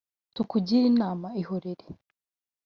tukugire inama, ihorereee